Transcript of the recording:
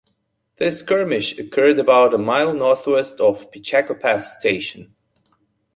This skirmish occurred about a mile northwest of Pichaco Pass Station.